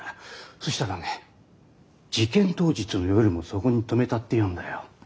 そしたらね事件当日の夜もそこに止めたって言うんだよ。